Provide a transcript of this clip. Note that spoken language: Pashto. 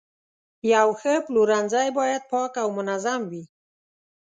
یو ښه پلورنځی باید پاک او منظم وي.